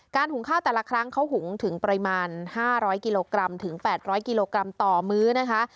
การหุงข้าวแต่ละครั้งเขาหุงถึงปริมาณห้าร้อยกิโลกรัมถึงแปดร้อยกิโลกรัมต่อมื้อนะคะ